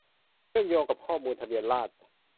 เชื่อมโยงกับข้อมูลทะเบียนราษฎร์